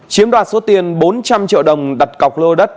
chiếm đoạt số tiền bốn trăm linh triệu đồng đặt cọc lô đất